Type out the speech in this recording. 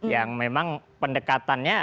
yang memang pendekatannya